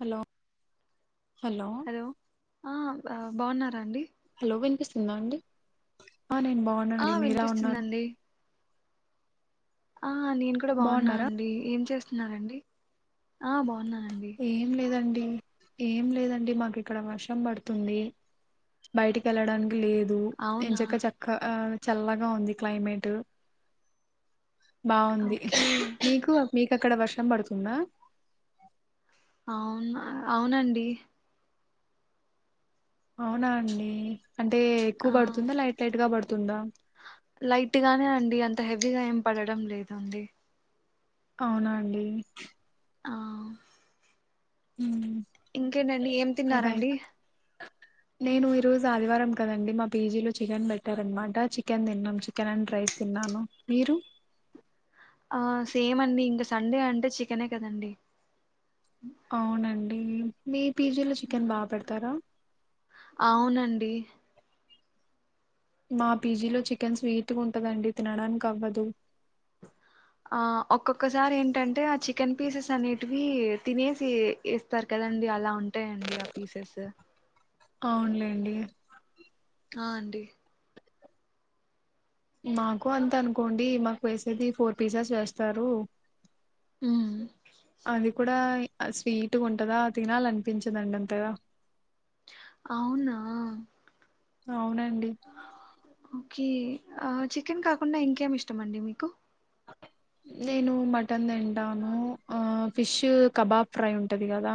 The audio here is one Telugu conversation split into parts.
హలో హలో ఆ ఆ బౌన్నర అండి హలో వినిపిస్తుందా అండి ఆ నేను ఆ బావున్నానండీ మీలా ఉన్నారు వినిపిస్తుందండి ఆ నేను కూడా బాగున్నా బాగున్నారా అండి ఏం చేస్ న్నారండి ఆ బాగున్నా ఏం లేదం ఏం లేదండి మాకు ఇక్కడ వర్షం పడుతుంది బయటికి వెళ్ళడానికి లేదు ఇ అవునా చక్క చక్క చల్లగా ఉంది క్లైమేట్ బాగుంది ఓకే మీకు అక్ మీకు ఎక్కడ వర్షం పడుతుంద అవును అవునండి అవునా అండి అంటే ఎక్కువ ఆ పడుతుందా లైట్ లైట్ గా పడుతుందా లైట్ గానే అండి అంత హెవీగా ఏం పడడం లేదు అండి అవునండి ఆ ఉమ్ ఇంకేంటండి ఏం బాయ్ బాయ్ తిన్నారండి నేను ఈరోజు ఆదివారం కదండి మా పేజీలో చికెన్ పెట్టార అనమాట చికెన్ తిన్నాం చికెన్ అండ్ రైస్ తిన్నాను మీరు ఆ సేమ్ అండి ఇంకా సండే అంటే చికెనే కదండి అవునం మీ మిప్ పిజిలో చికెన్ బాగా పెడతారా అవునండి మా పీజీలో చికెన్ స్వీట్ ఉంటుందండి తినడానికి అవ్వదు ఆ ఒక్కొక్కసారి ఏంటంటే ఆ చికెన్ పీసెస్ అనేటివి తినేసి ఇస్తారు కదండి అలా ఉంటాయండి ఆ పీసెస్ అవునులే అండి ఆ అండి మాకు అంత అనుకోండి మాకు వేసేది ఫోర్ పీసెస్ వేస్తారు ఉమ్ అది కూడాడా స్వీట్గా ఉంటందా తినాల అనిపించందండి అంతేగా అవునా అవునండి ఓకే చికెన్ కాకుండా ఇంకేమి ఇష్టం అండి మీకు నేను మటన్ తింటాను ఫిష్ కబాబ్ ఫ్రై ఉంటుంది కదా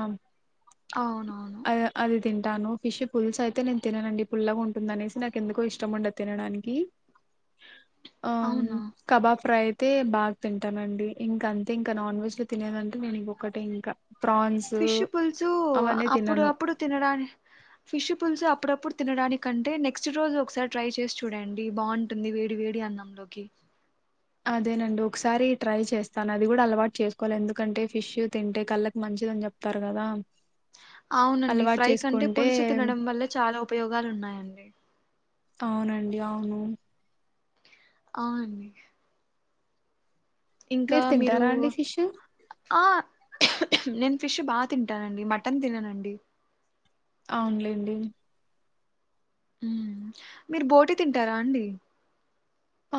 అవును అ అది తింటాను ఫిష్ పుల్స్ అయితే నేను తిననండి పుల్లగా ఉంటుందినేసి నాకు ఎందుకో ఇష్టం ఉండదు తినడానికి ఆ అవునా కబాబ్ ఫ్రై్ అయితే బాగా తింటానండి ఇంకా అంతే ఇంకా నాన్ వెజ్ లో తినేదంటే నేను ఇంకొటే ఇంకా ప్రాన్స్ ఫిష్ పుల్సు అవన్నీ అప్పుడు తినను అప్పుడు తినడానికి ఫిష్ పులుసు అప్పుడప్పుడు తినడానికంటే నెక్స్ట్ రోజు ఒకసారి ట్రై చేసి చూడండి బాగుంటుంది వేడి వేడి అన్నంలోకి అదేనండి ఒకసారి ట్రై చేస్తాను అది కూడా అలవాటు చేసుకోవాలి ఎందుకంటే ఫిష్ తింటే కళ్ళకి మంచిదని చెప్తారు కదా అవునండి అలవాటు ఫ్రై కంటే చేసుకుంటే పులుసు తినడం వల్ల చాలా ఉపయోగాలు ఉన్నాయండి అవునండి అవును అవుం ఇంకా మీరు తింటారా అండి ఫిష్ ఆ నేను ఫిష్ బాగా తింటానండి మటన్ తిననండి అవునులేండి మీరు బోటీ తింటారా అండి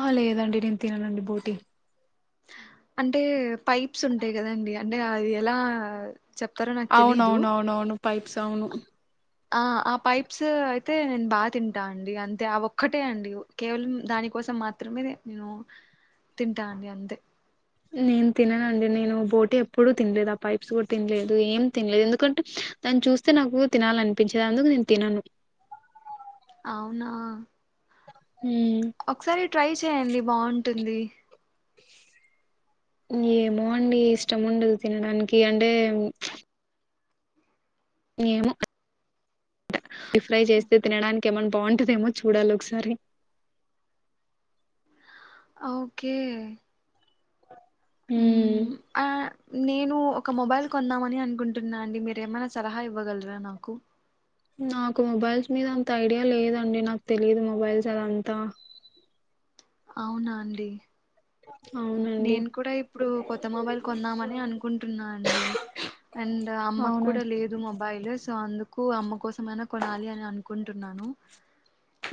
ఆ లేదండి నేను తిననండి బోటీ అంటే పైప్స్ ఉంటాయి్ కదండి అంటే అది ఎలా చెప్తారో నాకు తెలీదు అవునవున అవునవును పైప్స్ కావును ఆ ఆ పైప్స్ అయితే నేను బాగా తింటా అండి అంతే ఆ ఒక్కటే అండి కేవలం దానికోసం మాత్రమే నేను తింటా అండి అంతే నేను తిననుండి నేను బోటు ఎప్పుడూ తినలేదు ఆ పైప్స్ కూడా తినలేదు ఏం తినలేదు ఎందుకంటే దాన్ని చూస్తే నాకు తినాలనిపించేది అందుకు నేను తినను అవునా హ్మ్ ఒకసారి ట్రై చేయండి బాగుంటు ఉంటుంది ఏమో అండి ఇష్టం ఉండదు తినడానికి అంటే నేను ఫ్రై చేస్తే తినడానికి ఏమన్నా బాగుంటదేమో చూడాలి ఒకసారి ఓకే హ్మ్ ఆ నేను ఒక మొబైల్ కొందామని అనుకుంటున్నా అండి. మీరు ఏమైనా సలహా ఇవ్వగలరా నాకు నాకు మొబైల్స్ మీద అంత ఐడియా లేదండి. నాకు తెలిదు మొబైల్స్ అదంతా. అవునా అండి. అవునండి నేను కూడా ఇప్పుడు కొత్త మొబైల్ కొందామని అనుకుంటున్నా అండి. అండ్ అమ్మకు కూడా అవునండి లేదు మొబైల్ సో అందుకు అమ్మ కోసం మైనా కొనాలి అని అనుకుంటున్నాను.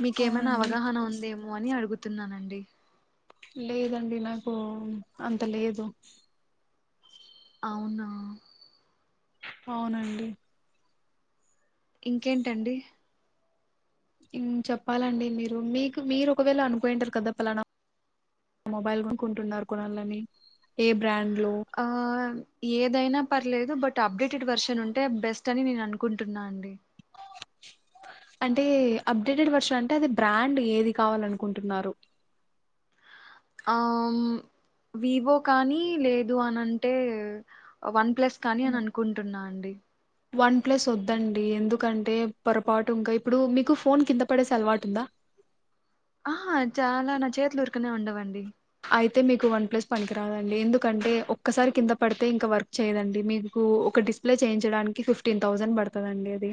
మీకేమైనా అవునండి అవగాహన ఉందేమో అని అడుగుతు తున్నానండి. లేదండి నాకు అంత లేదు. అవునా. అవునండి. ఇంకేంటండి. ఉమ్ చెప్పాలండి మీరు మీకు మీరు ఒకవేళ అనుకోయింటారు కదా ఫలానా మొబైల్ కొనుకుంటున్నారు కొనాలని ఏ బ్రాండ్ లో ఆహ్ ఏదైనా పర్లేదు బట్ అప్డేటెడ్ వర్షన్ ఉంటే బెస్ట్ అని నేను అనుకుంటున్నా అండి. అంటే అప్డేటెడ్ వర్షన్ అంటే అది బ్రాండ్ ఏది కావాలనుకుంటున్నారు. ఆహ్ వివో కానీ లేదు అన్ని అంటే వన్ ప్లస్ కానీ అని అనుకుంటున్నా అండి. వన్ ప్లస్ వద్దండి. ఎందుకంటే పొరపాటు ఇంకా ఇప్పుడు మీకు ఫోన్ కింద పడేసి అలవాటు ఉందా. ఆహ్ చాలా నా చేతులూ ఉర్ పక్కనే ఉండవండి. అయితే మీకు వన్ ప్లస్ పనికిరాదండి ఎందుకంటే ఒక్కసారి కింద పడితే ఇంకా వర్క్ చేయ్యదండి మీకు ఒక డిస్ప్లే చేయించడానికి ఫిఫ్టీన్ థౌసండ్ పడుతది అండి అది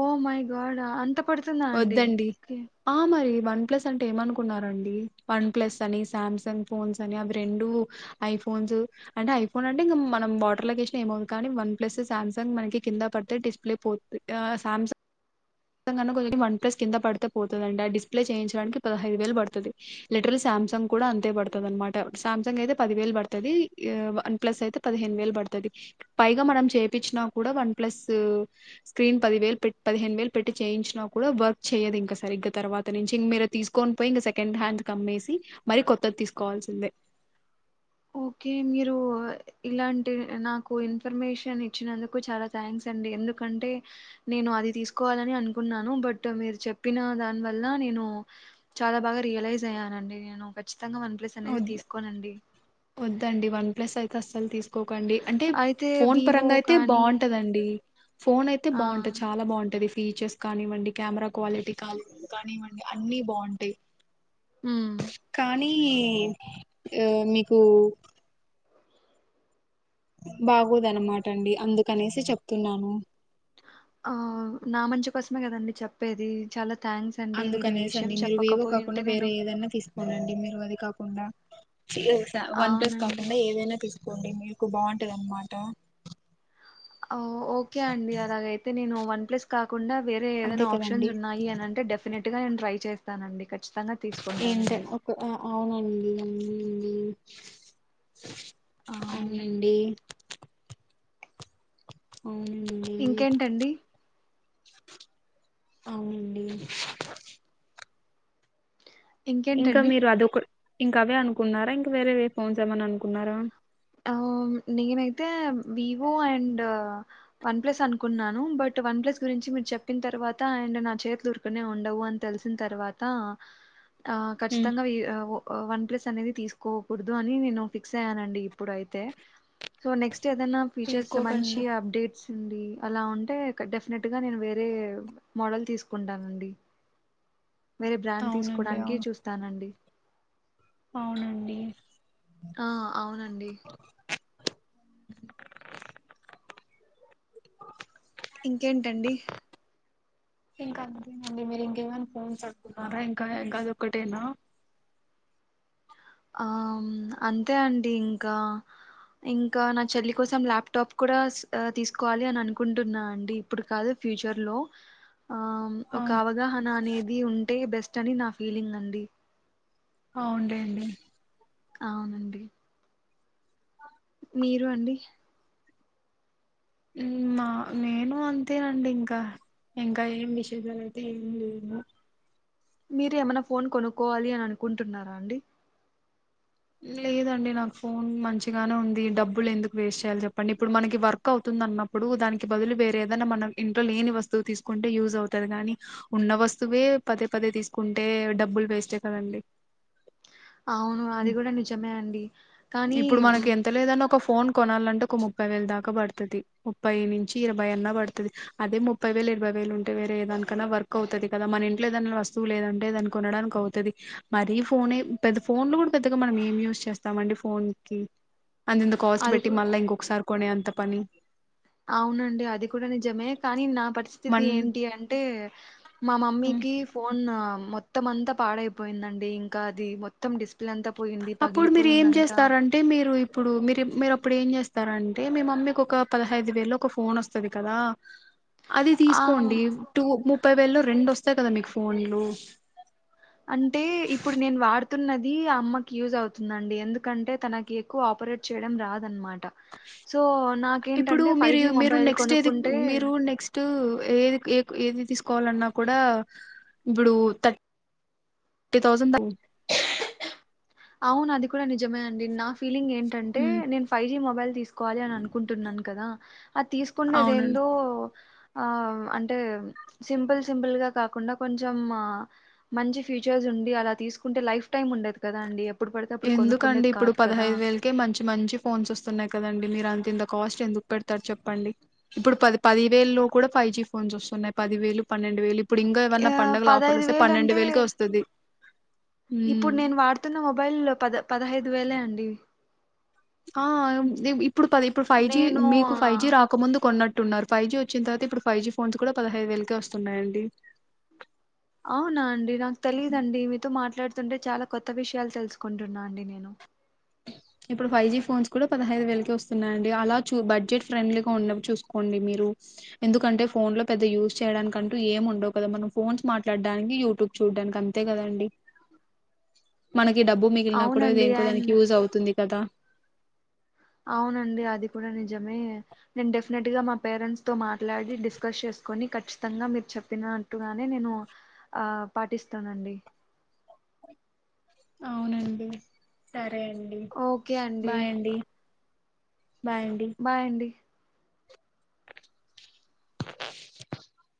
ఓ మై గాడ్ అంత పడుతుందా అండి వద్దండి ఓకే ఆహ్ మరీ. వన్ ప్లస్ అంటే ఏమనుకున్నారండి వన్ ప్లస్ అని సామ్సంగ్ ఫోన్స్ అని అవి రెండు ఐఫోన్స్ అంటే ఐఫోన్ అంటే ఇంకా మనం వాటర్ లొ వేసిన ఏమవుదు కానీ వన్ ప్లస్ శమ్సంగ్ మనకి కింద పడితే డిస్ప్లే పోతుంది ఆహ్ సామ్సంగ్ కొ వన్ ప్లస్ కింద పడితే పోతదండి ఆ డిస్ప్లే చేయించడానికి పదహైదు వేలు పడుతుంది లీటర్ల్ శ సామ్సంగ్ కూడా అంతే పడుతుది అనమాట శంసంగ్ అయితే పదివేలు పడుతుది వన్ ప్లస్ అయితే పదిహేను వేలు పడుతుది పైగా మనం చేయిచ్చినా కూడా వన్ ప్లస్ స్క్రీన్ పదివేలు పె పదిహేను వేలు పెట్టి చేయించినా కూడా వర్క్ చేయదు ఇంక సరిగ్గా తర్వాత నుంచి ఇంక మీరు తీసుకొని పోయి ఇంక సెకండ్ హ్యాండ్ కమ్మేసి మరి కొత్తది తీసుకోవాల్సిందే. ఓకే మీరు ఇలాంటి నాకు ఇన్ఫర్మేషన్ ఇచ్చినందుకు చాలా థ్యాంక్స్ అండి. ఎందుకంటే నేను అది తీసుకోవాలని అనుకున్నాను. బట్ మీరు చెప్పిన దాని వల్ల నేను చాలా బాగా రియలైజ్ అయ్యానండి. నేను ఖచ్చిత ఖచ్చితంగా వన్ ప్లస్ అనేది వద్దు తీసుకోనండి. వద్దండి వన్ ప్లస్ అయితే అసలు తీసు కోకండి అంటే అయితే ఫోన్ వివో పరంగా అయితే కానీ బాగుంటదండి. ఫోన్ అయితే ఆ బాగుంటది చాలా బాగుంటది ఫీచర్స్ కానివ్వండి కెమెరా క్వాలిటీ కాని కానివ్వండి అన్ని బాగుంటాయి. ఉమ్ ఈ ఆహ్ మీకు ఉమ్ బాగోదన్నమాట అండి అందుకనేసి చెప్తున్నాను. ఆహ్ నా మంచి కోసమే కదండి చెప్పేది చాలా థ్యాంక్స్ అండి మీరు ఈ అందుకనేసి విషయం అండి మీరు వీవో కాకుండా చెప్పకపోయింటే వేరే నేను ఏదన్నా తీసుకోండి మీరు అది కాకుండా వన్ ప్లస్ అవునండి కాకుండా ఏదైనా తీసు కోండి మీకు బాగుంటదన్నమాట. అవు ఓకే అండి అలాగైతే నేను వన్ ప్లస్ కా కుండా వేరే అంతే ఏదైనా కదండి ఆప్షన్స్ ఉన్నాయి అని అంటే డెఫినెట్ గా నేను ట్రై చేస్తానండి. ఖచ్చితంగా ఏంట తీసుకుంటానండి ఒక ఓ అవునండి. ఆ [inaudible] అవునండి. అవునండి ఇంకేంటండి. అవునండి. ఇంకా ఇంకేంటండి మీరు అదొక ఇంకా అవే అనుకుంన్నారా ఇంకా వేరే వే ఫోన్స్ ఏమన్నా అనుకున్నారా? ఆ నేనైతే వివో అండ్ వన్ ప్లస్ అనుకున్నాను. బట్ వన్ ప్లస్ గురించి మీర్ చెప్పిన తర్వాత అండ్ నా చేతులు ఊర్కనే ఉండవు అని తెలిసిన తర్వాతా ఆ ఖచ్చితంగా వి వో వన్ ప్లస్ అనేది తీసుకోకూడదు అని నేను ఫిక్సయ్యానండి. ప్పుడయితే సో నెక్స్ ఏదన్న ఫీచర్స్ మంచి తీసుకోకండి అప్డేట్స్ అండి అలా ఉంటే డెఫినెట్గా నేను వేరే మోడల్ తీసుకుంటానండి. వేరే బ్రాండ్ అవునండి తీస్కోడానికి అవును చూస్తానండి. అవునండి ఆ అవునండి. ఇంకేంటండి. ఇంకా అంతేనండి మీరు ఇంకేమైనా ఫోన్స్ అనుకున్నారా ఇంకా గదొక్కటేనా? ఆ అంతే అండి ఇంకా ఇంకా నా చెల్లి కోసం ల్యాప్టాప్ కూడా తీసుకోవాలి అని అనుకుంటున్నా అండి ఇప్పుడు కాదు ఫ్యూచర్లో ఆ ఆ ఒక అవగాహన అనేది ఉంటే బెస్ అని నా ఫీలింగ్ అండి. ఆ ఉండయండి. అవునండి. మీరూ అండి. మా నేను అంతేనండి ఇంకా ఇంకా ఏం విశేషాలు అయితే ఏం లేము. మీరు ఏమన్నా ఫోన్ కొనుక్కోవాలి అని అనుకుంటున్నారా అండి. లేదండి నాకు ఫోన్ మంచిగానే ఉంది డబ్బులు ఎందుకు వేస్ట్ చేయాలి చెప్పండి ఇప్పుడు మనకి వర్క్ అవుతుందన్నప్పుడు దానికి బదులు వేరే ఏదన్న మన ఇంట్లో లేని వస్తువు తీసుకుంటే యూజ్ అవుతది కాని ఉన్న వస్తువే పదే పదే తీసుకుంటే డబ్బులు వేస్టే కదండి. అవును అది గుడా నిజమే అండి కానీ ఇప్పుడు మనకి ఎంత లేదన్న ఒక ఫోన్ కొనాలంటే ఒక ముప్పై వేలు దాకా పడతది. ముప్పై నుంచి ఇరవై అన్నా పడతది. అదే ముప్పై వేల ఇరవై వేలు ఉంటే వేరే ఏ దానికన్నా వర్క్ అవుతది కదా మన ఇంట్లో ఏదైనా వస్తువు లేదంటే దాన్ని కొనడానికి అవుతది. మరీ ఫోనే పెద్ద ఫోన్లు కూడా పెద్దగా మనం ఏం యూజ్ చేస్తామండి ఫోన్కి. అంఇంత కాస్ట్ అది పెట్టి కూ- మళ్ళ ఇంకొకసారి కొనే అంత పని. అవునండి అది కూడా నిజమే కానీ నా పరి స్థితి మన్ ఏంటి అంటే మా మ్ మమ్మీకి ఫోన్ మొత్తం అంతా పాడైపోయిందండి ఇంకా అది మొత్తం డిస్ప్ అప్పుడు మీరు ఏం చేస్తారంటే మీరు ఇప్పుడు మీరు మీరు అప్పుడు ఏం చేస్తారంటే మీ మమ్మీకి ఒక పదహైదు వేలు ఒక ఫోన్ వస్తది కదా అది ఆ తీసుకోండి టూ ము ముప్పై వేళు రెండు వస్తాయి కదా మీకు ఫోన్లు వతున్నది ఆ అమ్మకి యూజ్ అవుతుందండి ఎందుకంటే తనకి ఎక్కువ ఆపరేట్ చేయడం రాదనమాట సో ఇప్పుడు నాకేంటంటే ఫైవ్ మీరు జీ మీరు మొబైల్ నెక్స్ట్ ఏది కొనుక్కుంటే మీరు నెక్స్ట్ ఏది ఏది తీ కోవాలన్నా కూడా ఇప్పుడు థర్టీ థౌసండ్ త అవును అది కూడా నిజమే అండి నా ఫీలింగ్ ఏంటంటే మ్ నేను ఫైవ్ జి మొబైల్ తీసుకోవాలి అని అనుకుంటున్నాను కదా అది అవునండి తీసుకుండేదేందో ఆ అంటే సింపుల్ సింపుల్ గా కాకుండా కొంచెం మంచి ఫ్యూచర్స్ ఉండి అలా తీసుకుంటే లైఫ్ టైమ్ ఉండదు కదా కదా అండి ఎందుకండి ఇప్పుడు కదా! పదహైదు వేలకే మంచి మంచి ఫోన్స్ వస్తున్నాయి కదండి మీరు అంత ఇంత కాస్ట్ ఎందుకు పెడతారు చెప్పండి ఇప్పుడు పది పది వేలు కూడా ఫైవ్ జీ ఫోన్స్ వస్తున్నాయి పదివేలు పన్నెండు వేలు ఇప్పుడు ఇంకా ఏమన్నా యాహ్! పండగల ఆఫర్లు వస్తే పన్నెండు అంటే వేలకే వస్తుంది ఇప్పుడు నేను వాడుతున్న మొబైల్ లో పద పదహైదు వేలే అండి ఆ ఇప్పుడు పది ఇప్పుడు ఫైవ్ జీ నేను మీకు ఆ, ఫైవ్ జీ రాకముందు కొన్నట్టు అన్నారు ఫైవ్ జీ వచ్చిన తర్వాత ఇప్పుడు ఫైవ్ జీ ఫోన్స్ కూడా పదహైదు వేలకే వస్తున్నాయండి అవునా అండి నాకు తెలీదండి మీతో మాట్లా మాట్లాడుతుంటే చాలా కొత్త విషయాలు తెలుసుకుంటున్నా అండి నేను ఇప్పుడు ఫైవ్ జి ఫోన్స్ కూడా పదహైదు వేలకి వస్తున్నాయిండి అలా చ బడ్జెట్ ఫ్రెండ్లీగా ఉన్నప్పుడు చూసుకోండి మీరు ఎందుకంటే ఫోన్ లో పెద్ద యూస్ చేయడానికంటూ ఏం ఉండవు కదా మనం ఫోన్స్ మాట్లాడడానికి యూట్యూబ్ చూడడానికి అంతే కదండి మన డబ్బు మిగిలిన కూడా అవునండి. దేనికో దానికి అండ్ యూజ్ అవుతుంది కదా అవునండి అది కూడా నిజమే నేను డెఫినెట్గా మా పేరెంట్స్తో మాట్లాడి డిస్కస్ చేసుకొని ఖచ్చితంగా మీరు చెప్పినట్టుగానే నేను పాటిస్తానండి అవునండి సరే సరే అండి బాయ్ అండి బాయ్ అండి బాయ్ అండి [unintelligible] [unintelligible]